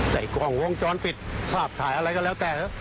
ใส่กล้องวงจรปิดภาพถ่ายอะไรก็แล้วแต่